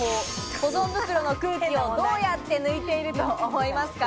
保存袋の空気をどうやって抜いていると思いますか？